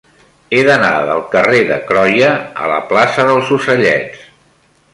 He d'anar del carrer de Croia a la plaça dels Ocellets.